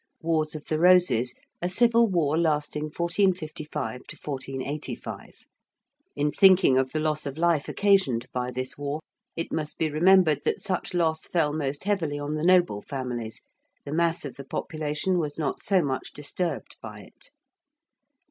~Wars of the Roses~: a civil war lasting 1455 1485. In thinking of the loss of life occasioned by this war, it must be remembered that such loss fell most heavily on the noble families; the mass of the population was not so much disturbed by it.